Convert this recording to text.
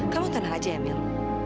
kamu tenang aja emil